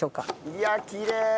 いやきれい！